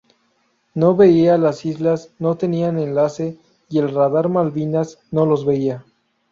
No veían las islas, no tenían enlace y el radar Malvinas no los veía.